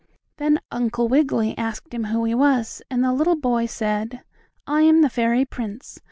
Then Uncle Wiggily asked him who he was, and the little boy said: "I am the fairy prince!